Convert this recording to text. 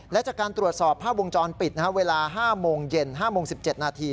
และจากการตรวจสอบภาพวงจรปิดเวลา๕โมงเย็น๕โมง๑๗นาที